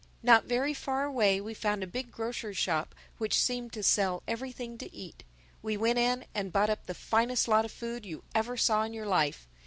Not very far away we found a big grocer's shop which seemed to sell everything to eat. We went in and bought up the finest lot of food you ever saw in your life.